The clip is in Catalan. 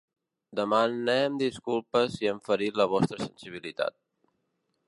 Demanem disculpes si hem ferit la vostra sensibilitat.